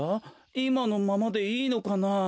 いまのままでいいのかなあ？